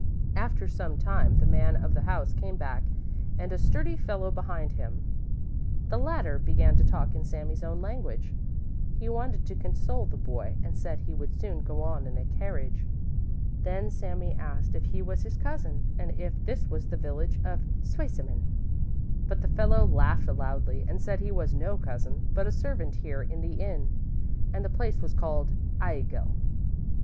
After some time the man of the house came back and a sturdy fellow behind him. The latter began to talk in Sami's own language. He wanted to console the boy and said he would soon go on in a carriage. Then Sami asked if he was his cousin, and if this was the village of Zweisimmen? But the fellow laughed loudly and said he was no cousin, but a servant here in the inn, and the place was called Aigle.